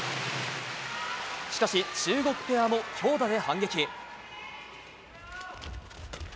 しかし、中国ペアも強打で反撃。